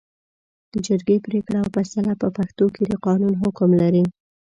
د جرګې پرېکړه او فېصله په پښتو کې د قانون حکم لري